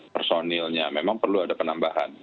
personilnya memang perlu ada penambahan